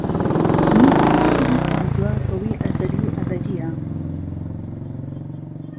ئهمن سوێندم خواردووه بهوەی ئهزهلی وئهبهدییه